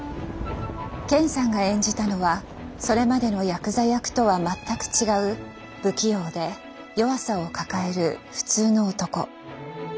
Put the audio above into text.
健さんが演じたのはそれまでのヤクザ役とは全く違う不器用で弱さを抱える普通の男。